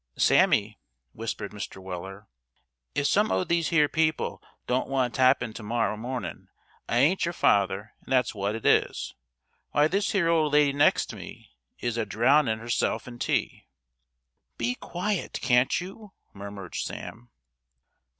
"Sammy," whispered Mr. Weller, "if some o' these here people don't want tappin' to morrow mornin', I ain't your father, and that's wot it is. Why this here old lady next me is a drown in' herself in tea." "Be quiet, can't you?" murmured Sam.